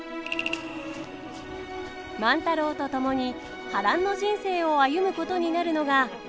万太郎と共に波乱の人生を歩むことになるのが。